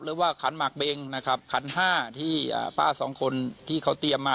ขันหมากเบงนะครับขันห้าที่ป้าสองคนที่เขาเตรียมมา